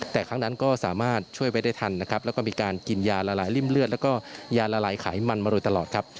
แต่ครั้งนั้นก็สามารถช่วยไว้ได้ทันนะครับแล้วก็มีการกินยาละลายริ่มเลือดแล้วก็ยาละลายไขมันมาโดยตลอดครับ